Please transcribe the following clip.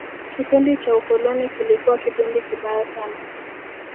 kipindi cha ukoloni kilikuwa kipindi kibaya sana